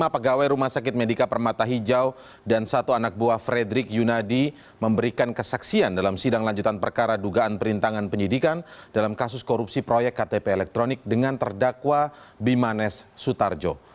lima pegawai rumah sakit medika permata hijau dan satu anak buah frederick yunadi memberikan kesaksian dalam sidang lanjutan perkara dugaan perintangan penyidikan dalam kasus korupsi proyek ktp elektronik dengan terdakwa bimanes sutarjo